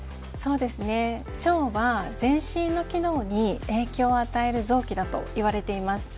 腸は全身の機能に影響を与える臓器だといわれています。